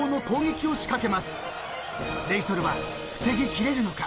［レイソルは防ぎきれるのか？］